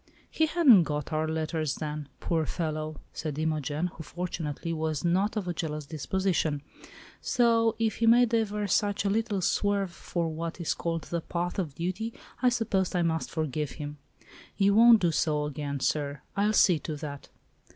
"He hadn't got our letters then, poor fellow!" said Imogen, who, fortunately, was not of a jealous disposition. "So if he made ever such a little swerve from what is called the path of duty I suppose I must forgive him. You won't do so again, sir, I'll see to that!"